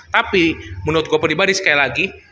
tapi menurut gue pribadi sekali lagi